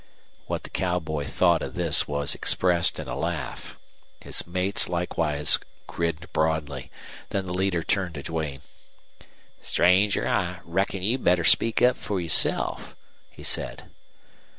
What the cowboy thought of this was expressed in a laugh. His mates likewise grinned broadly. Then the leader turned to Duane. "Stranger, I reckon you'd better speak up for yourself," he said.